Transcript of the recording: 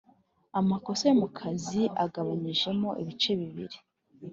amakosa yo mu kazi agabanyijemo ibice bibiri